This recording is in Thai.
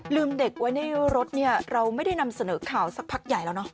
เด็กไว้ในรถเนี่ยเราไม่ได้นำเสนอข่าวสักพักใหญ่แล้วเนาะ